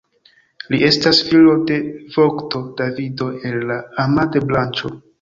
Li estas filo de vokto Davido el la Amade-branĉo.